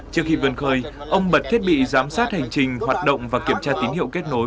trước khi vươn khơi ông bật thiết bị giám sát hành trình hoạt động và kiểm tra tín hiệu kết nối